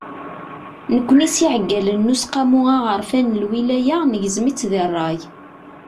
Nekkni s yiɛeggalen n Useqqamu Aɣerfan n Lwilaya, negzem-itt di ṛṛay.